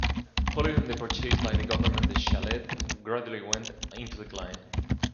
Following the purchase by the government the chalet gradually went into decline.